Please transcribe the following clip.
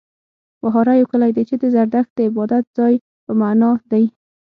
وهاره يو کلی دی، چې د زرتښت د عبادت ځای په معنا دی.